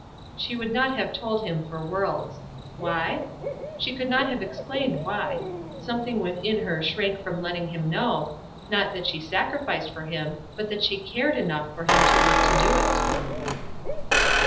She would not have told him for worlds. Why? She could not have explained why. Something within her shrank from letting him know, not that she sacrificed for him, but that she cared enough for him to want to do it!